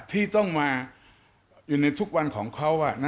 ที่ต้องมาอยู่ในทุกวันของเขา